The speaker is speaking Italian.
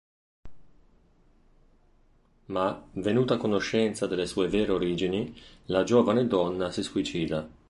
Ma, venuta a conoscenza delle sue vere origini, la giovane donna si suicida.